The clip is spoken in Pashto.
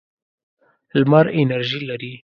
لمر انرژي لري.